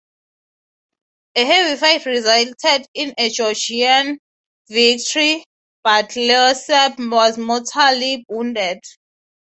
A heavy fight resulted in a Georgian victory, but Luarsab was mortally wounded.